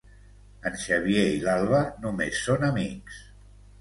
En Xavier i l'Alba només són amics.